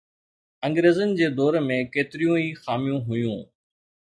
انگريزن جي دور ۾ ڪيتريون ئي خاميون هيون